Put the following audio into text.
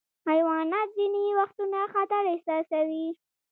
حیوانات ځینې وختونه خطر احساسوي.